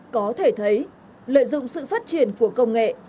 có thể thấy lợi dụng sự phát triển của công nghệ